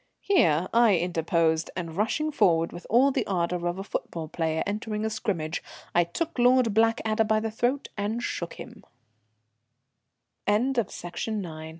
Here I interposed, and, rushing forward with all the ardour of a football player entering a scrimmage, I took Lord Blackadder by the throat and shook